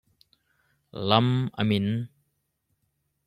Lam a min.